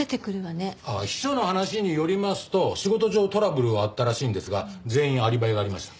秘書の話によりますと仕事上トラブルはあったらしいんですが全員アリバイがありました。